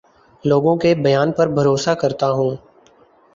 لوگوں کے بیان پر بھروسہ کرتا ہوں